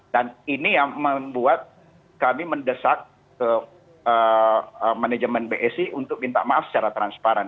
dan ini yang membuat kami mendesak ke manajemen bsi untuk minta maaf secara transparan